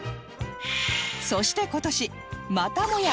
そして今年またもや